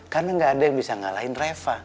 karena gak ada yang bisa ngalahin reva